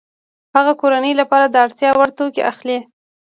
هغه د کورنۍ لپاره د اړتیا وړ توکي اخلي